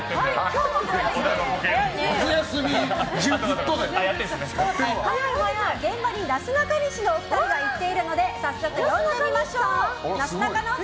今日は現場になすなかにしのお二人が行っているので早速、呼んでみましょう。